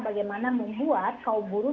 bagaimana membuat kaum buruh